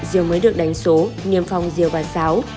diều mới được đánh số nghiêm phong diều và xáo